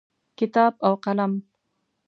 کتاب او قلم